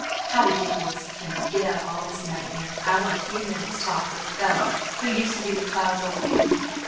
How ridiculous of him to get up all this nightmare out of a few minutes' talk with a fellow who used to be the Clouds' old neighbor.